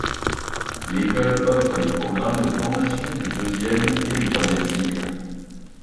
L’école offre des programmes de formation du deuxième et du troisième cycle.